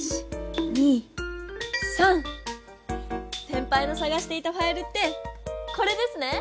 せんぱいのさがしていたファイルってこれですね？